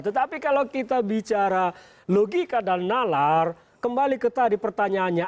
tetapi kalau kita bicara logika dan nalar kembali ke tadi pertanyaannya